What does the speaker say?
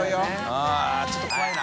◆舛ちょっと怖いな。